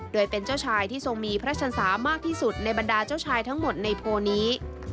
โดยเป็นเจ้าชายที่ทรงมีพระชันศามากที่สุดในบรรดาเจ้าชายทั้งหมดในโพลนี้